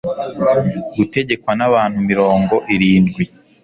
gutegekwa n'abantu mirongo irindwi